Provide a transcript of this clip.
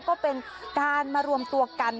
ก็เป็นการมารวมตัวกัน